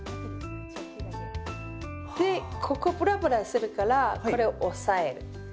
でここブラブラするからこれ押さえる。